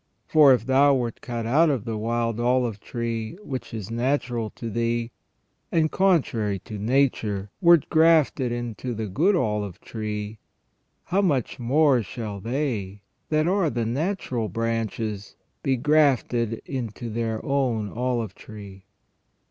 For if thou wert cut out of the wild olive THE REGENERATION OF MAN. 347 tree, which is natural to thee, and, contrary to nature, wert grafted into the good olive tree, how much more shall they, that are the natural branches, be grafted into their own olive tree."